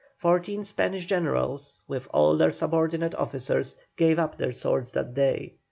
Fourteen Spanish generals, with all their subordinate officers, gave up their swords this day.